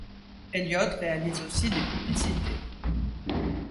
Elliot réalise aussi des publicités.